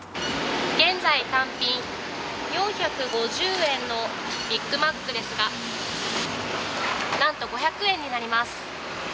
現在、単品４５０円のビッグマックですがなんと５００円になります。